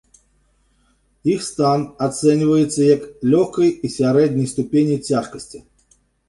Іх стан ацэньваецца як лёгкай і сярэдняй ступені цяжкасці.